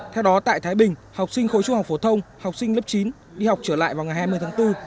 theo đó tại thái bình học sinh khối trung học phổ thông học sinh lớp chín đi học trở lại vào ngày hai mươi tháng bốn